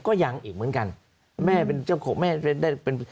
ก็ยังอีกเหมือนกัน